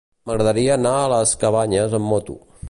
M'agradaria anar a les Cabanyes amb moto.